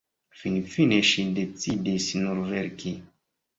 Finfine ŝi decidis nur verki.